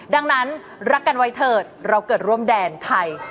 ดังนั้นรักกันไว้เถิดเราเกิดร่วมแดนไทย